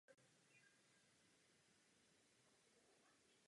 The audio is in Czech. Ohledně úvěrových registrů mám dobrou zprávu.